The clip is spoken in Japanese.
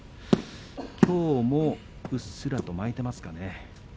きょうも、うっすらと巻いていますかね。